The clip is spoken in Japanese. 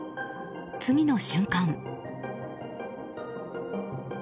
次の瞬間。